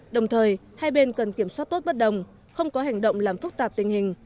đồng thời hai bên cần kiểm soát tốt bất đồng không có hành động làm phức tạp tình hình